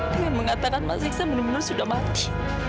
dengan mengatakan mas iksan benar benar sudah mati